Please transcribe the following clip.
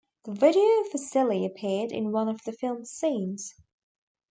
The video for "Silly" appeared in one of the film's scenes.